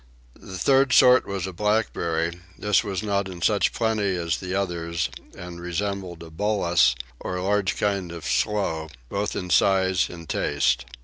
The third sort was a blackberry; this was not in such plenty as the others and resembled a bullace, or large kind of sloe, both in size and taste.